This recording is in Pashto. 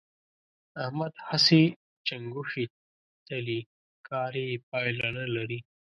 احمد هسې چنګوښې تلي؛ کار يې پايله نه لري.